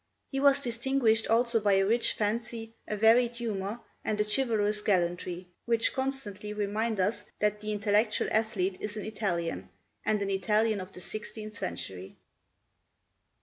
He was distinguished also by a rich fancy, a varied humor, and a chivalrous gallantry, which constantly remind us that the intellectual athlete is an Italian, and an Italian of the sixteenth century.